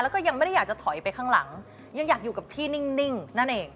แล้วก็ยังไม่ได้อยากจะถอยไปข้างหลังยังอยากอยู่กับที่นิ่งนั่นเอง